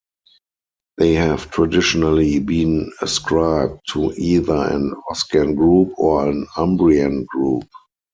They have traditionally been ascribed to either an Oscan group or an Umbrian group.